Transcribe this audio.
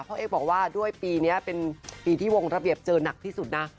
เอ๊บอกว่าด้วยปีนี้เป็นปีที่วงระเบียบเจอหนักที่สุดนะ